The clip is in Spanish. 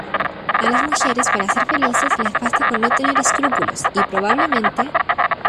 a las mujeres para ser felices les basta con no tener escrúpulos, y probablemente